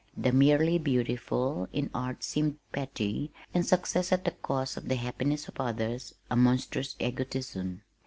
The merely beautiful in art seemed petty, and success at the cost of the happiness of others a monstrous egotism.